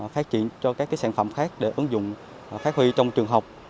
phát triển cho các sản phẩm khác để ứng dụng phát huy trong trường học